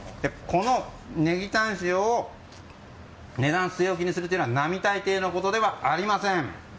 このねぎタン塩を値段据え置きにするのは並大抵のことではありません。